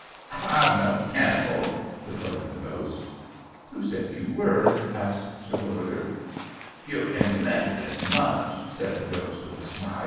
"H'I'm no cannibal," retorted the ghost. "Who said you were?" asked Terwilliger. "You intimated as much," said the ghost, with a smile.